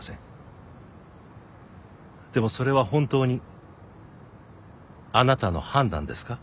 でもそれは本当にあなたの判断ですか？